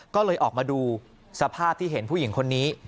ก็เลยออกมาดูสภาพที่เห็นผู้หญิงคนนี้